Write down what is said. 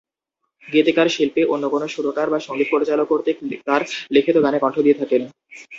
গীতিকার-শিল্পী অন্য কোন সুরকার বা সঙ্গীত পরিচালক কর্তৃক তার লিখিত গানে কণ্ঠ দিয়ে থাকেন।